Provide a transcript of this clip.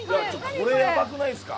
これやばくないですか？